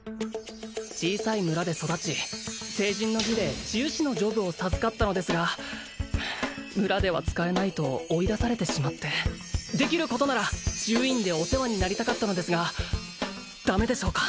小さい村で育ち成人の儀で治癒士のジョブを授かったのですが村では使えないと追い出されてしまってできることなら治癒院でお世話になりたかったのですがダメでしょうか？